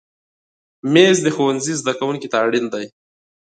مېز د ښوونځي زده کوونکي ته اړین دی.